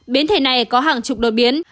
biến thể này có hàng chục đột biến